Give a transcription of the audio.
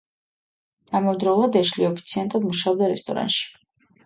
ამავდროულად ეშლი ოფიციანტად მუშაობდა რესტორანში.